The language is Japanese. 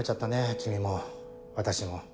君も私も。